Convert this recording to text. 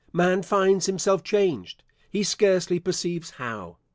Man finds himself changed, he scarcely perceives how.